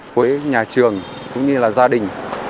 với nhà trường cũng như là gia đình